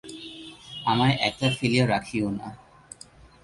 আমায় একলা ফেলিয়া রাখিয়ো না।